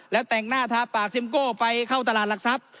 แล้วแต่งหน้าทาปากซิมโก้ไปเข้าตลาดหลักทรัพย์